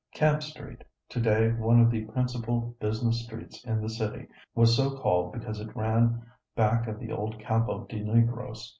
Camp Street, to day one of the principal business streets in the city, was so called because it ran back of the old Campo de Negros.